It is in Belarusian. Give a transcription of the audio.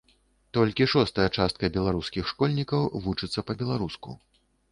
Толькі шостая частка беларускіх школьнікаў вучыцца па-беларуску.